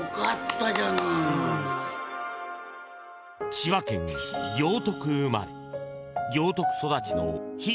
千葉県行徳生まれ、行徳育ちのひー